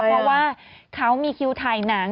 เพราะว่าเขามีคิวถ่ายหนัง